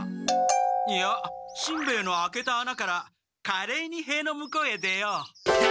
いやしんべヱの開けたあなから「かれいに」塀の向こうへ出よう。